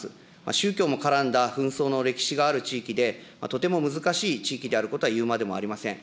宗教も絡んだ紛争の歴史がある地域で、とても難しい地域であることは言うまでもありません。